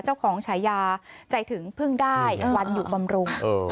เจ้าของใช้ยาใจถึงพึ่งได้วันอยู่บำรุง